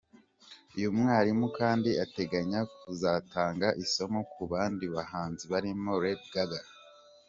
Uyu mwalimu kandi ateganya kuzatanga isomo ku bandi bahanzi barimo Lady Gaga na Adele.